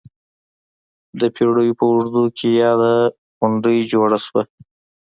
د پېړیو په اوږدو کې یاده غونډۍ جوړه شوه.